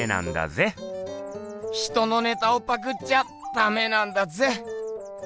人のネタをパクっちゃダメなんだぜっ！